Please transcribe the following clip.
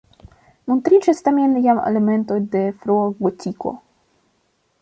Montriĝas tamen jam elementoj de frua gotiko.